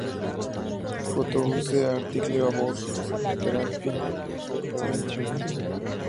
How to use an article about therapy or prevention.